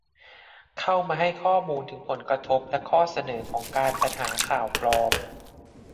เข้ามาให้ข้อมูลถึงผลกระทบและข้อเสนอของการปัญหาข่าวปลอม